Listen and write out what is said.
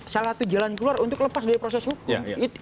salah satu jalan keluar untuk lepas dari proses hukum